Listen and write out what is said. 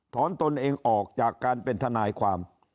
ตนเองออกจากการเป็นทนายความ